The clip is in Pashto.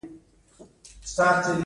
هغه په اروپا کې چاپ شوي کتابونه لوستي وو.